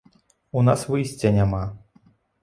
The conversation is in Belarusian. У нас выйсця няма.